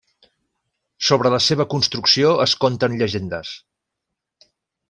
Sobre la seva construcció es conten llegendes.